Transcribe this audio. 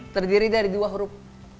terdiri dari dua huruf